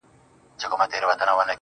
ستا دی که قند دی.